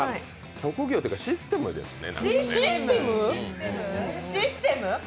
職業というかシステムですね。